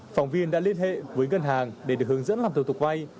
phòng viên đã liên hệ với ngân hàng để được hướng dẫn làm thủ tục vay